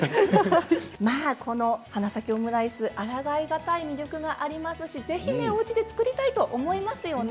まあこの花咲きオムライスあらがい難い魅力がありますし是非ねおうちで作りたいと思いますよね。